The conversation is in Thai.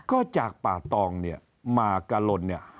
ก็จากป่าตองเนี่ยมากะลนเนี่ย